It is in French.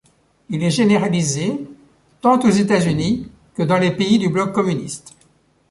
Il est généralisé tant aux États-Unis que dans les pays du bloc communiste.